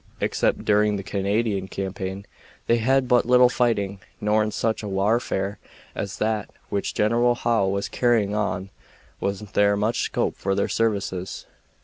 Except during the Canadian campaign they had had but little fighting, nor in such a warfare as that which General Howe was carrying on was there much scope for their services.